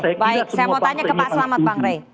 saya mau tanya ke pak selamet bang rey